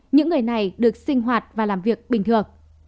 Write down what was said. những người này được sinh hoạt và làm việc bình thường